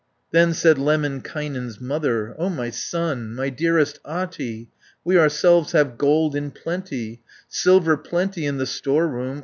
Then said Lemminkainen's mother, "O my son, my dearest Ahti, We ourselves have gold in plenty, Silver plenty in the storeroom.